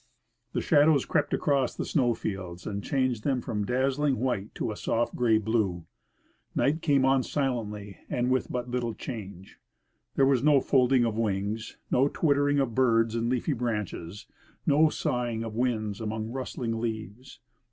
The shadows crept across the snow fields and changed them from dazzling white to a soft gray blue. Night came on silently, and with but little change. There was no folding of wings ; no twittering of birds in leafy branches ] no sighing of Avinds among rustling leaves.